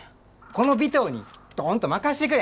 この尾藤にドンと任してくれ！